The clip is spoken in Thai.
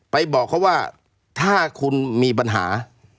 บอกเขาว่าถ้าคุณมีปัญหา